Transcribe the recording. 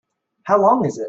How long is it?